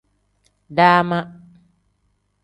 Dama.